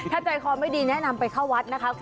ถ้าใจคอไม่ดีแนะนำไปเข้าวัดนะคะ